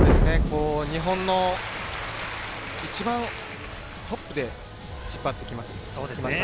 日本の一番トップで引っ張ってきました。